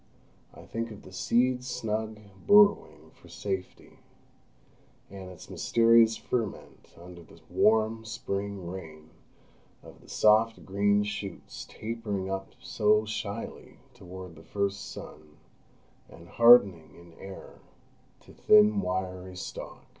I think of the seed snug burrowing for safety, and its mysterious ferment under the warm Spring rain, of the soft green shoots tapering up so shyly toward the first sun, and hardening in air to thin wiry stalk.